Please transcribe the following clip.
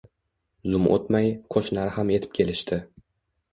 Zum o`tmay, qo`shnilar ham etib kelishdi